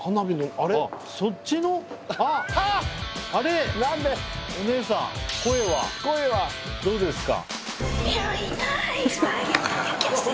あれお姉さん声はどうですか？